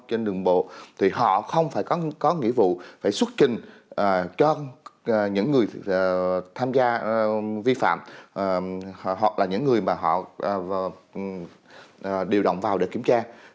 trên đường bộ thì họ không phải có nghĩa vụ phải xuất trình cho những người tham gia vi phạm hoặc là những người mà họ điều động vào để kiểm tra